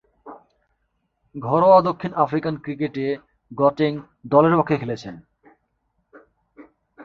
ঘরোয়া দক্ষিণ আফ্রিকান ক্রিকেটে গটেং দলের পক্ষে খেলেছেন।